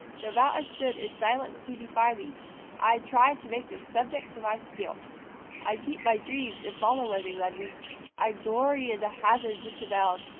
Though mountains stood in silence to defy me, I'd try to make them subject to my skill. I'd keep my dreams and follow where they led me; I'd glory in the hazards which abound.